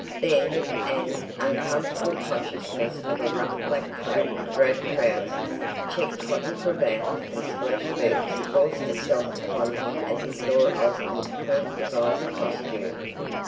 Then an uncomfortable consciousness of a black coat, drab trousers, checked cotton cravat, and splashed boots, forced itself upon him as he saw Osborne's point device costume.